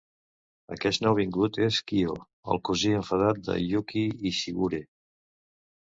Aquest nouvingut és Kyo, el cosí enfadat de Yuki i Shigure.